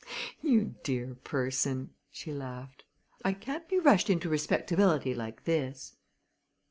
"You dear person!" she laughed. "I can't be rushed into respectability like this."